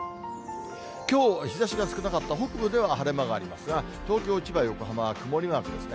きょう、日ざしが少なかった北部では晴れ間がありますが、東京、千葉、横浜は曇りマークです。